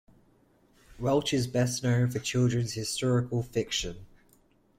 Welch is best known for children's historical fiction.